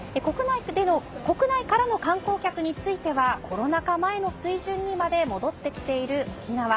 国内からの観光客についてはコロナ禍前の水準にまで戻ってきている沖縄。